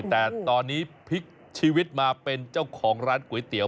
แต่ตอนนี้พลิกชีวิตมาเป็นเจ้าของร้านก๋วยเตี๋ย